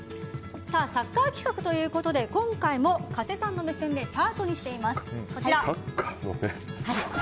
サッカー企画ということで今回も加瀬さんの目線でチャートにしています。